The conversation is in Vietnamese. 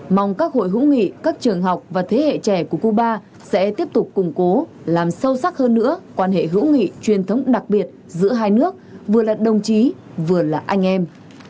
mong các hội hữu nghị các trường học và thế hệ trẻ của cuba sẽ tiếp tục củng cố làm sâu sắc hơn nữa quan hệ hữu nghị truyền thống đặc biệt giữa hai nước vừa là đồng chí vừa là anh em